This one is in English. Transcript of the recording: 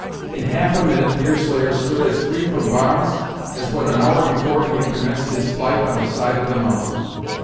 In half a minute Deerslayer stood as free from bonds as when an hour before he had commenced his flight on the side of the mountain.